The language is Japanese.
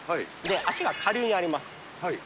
足が下流にあります。